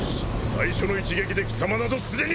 最初の一撃で貴様などすでに死んでおる！